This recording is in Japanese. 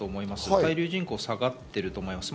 滞留人口が下がってると思います。